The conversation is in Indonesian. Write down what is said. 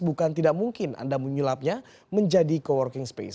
bukan tidak mungkin anda menyulapnya menjadi co working space